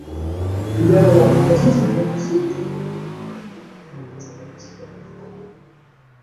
kijana anakuja sasa kwenu Si mtu mwelekevu mno lakini fanyeni mnachoweza kumsaidia anataka kuwafukuza